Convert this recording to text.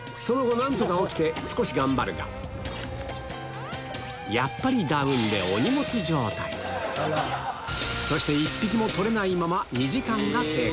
その後何とか起きて少し頑張るがやっぱりダウンでそして１匹も取れないままあっ